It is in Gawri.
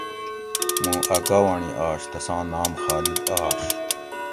مُوں اۤ گاونڑی آش تساں نام خالِد آش